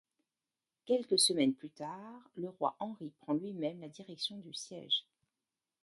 Quelques semaines plus tard, le roi Henri prend lui-même la direction du siège.